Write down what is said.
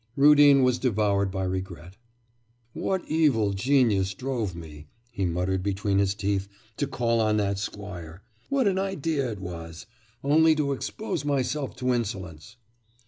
Rudin was devoured by regret. 'What evil genius drove me,' he muttered between his teeth, 'to call on that squire! What an idea it was! Only to expose myself to insolence!